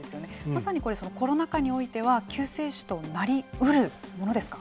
まさにこれコロナ禍においては救世主となり得るものですか。